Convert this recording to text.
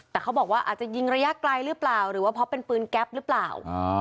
แต่เขาบอกว่าอาจจะยิงระยะไกลหรือเปล่าหรือว่าเพราะเป็นปืนแก๊ปหรือเปล่า